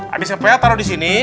abis diempel taruh di sini